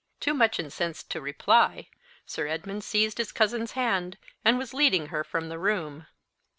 Too much incensed to reply, Sir Edmund seized his cousin's hand, and was leading her from the room.